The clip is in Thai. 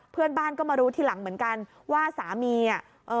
เพื่อนบ้านก็มารู้ทีหลังเหมือนกันว่าสามีอ่ะเอ่อ